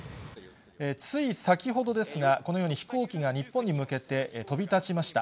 つい先ほどですが、このように飛行機が日本に向けて飛び立ちました。